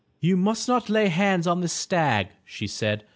"You must not lay hands on this stag," she said.